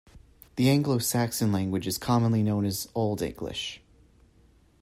The Anglo-Saxon language is commonly known as Old English.